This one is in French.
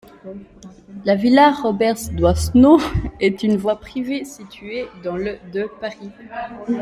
La villa Robert-Doisneau est une voie privée située dans le de Paris.